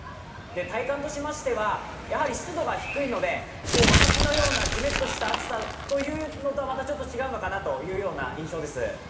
体感としましては湿度が低いので、真夏のようなじめっとした暑さとは違うのかなという印象です。